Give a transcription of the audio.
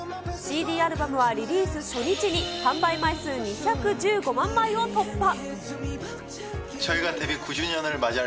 ＣＤアルバムはリリース初日に販売枚数２１５万枚を突破。